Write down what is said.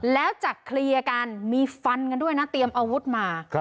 แล้วจากเคลียร์กันมีฟันกันด้วยนะเตรียมอาวุธมา